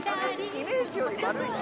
イメージより丸いな。